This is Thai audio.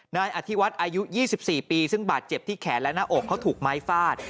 นายอธิวัฒน์อายุ๒๔ปีซึ่งบาดเจ็บที่แขนและหน้าอกเขาถูกไม้ฟาด